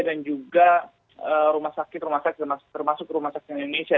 dan juga rumah sakit rumah sakit termasuk rumah sakit indonesia